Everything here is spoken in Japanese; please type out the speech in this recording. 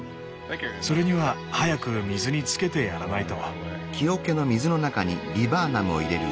それには早く水につけてやらないと。